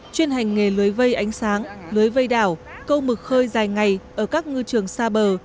chuyên hành nghề lưới vây ánh sáng lưới vây đảo câu mực khơi dài ngày ở các ngư trường xa bờ